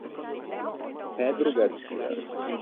Pedro García